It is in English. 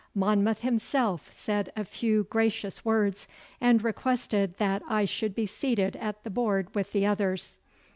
Monmouth himself said a few gracious words, and requested that I should be seated at the board with the others.